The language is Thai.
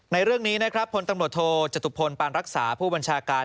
ในเรื่องนี้นะครับพลตำรวจโทจตุพลปานรักษาผู้บัญชาการ